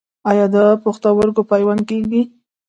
آیا د پښتورګو پیوند کیږي؟